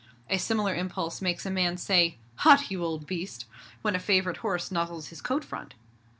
A similar impulse makes a man say, 'Hutt, you old beast!' when a favourite horse nuzzles his coat front.